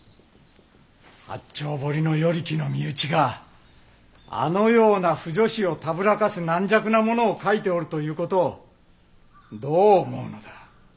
八丁堀の与力の身内があのような婦女子をたぶらかす軟弱なものを書いておるという事をどう思うのだ？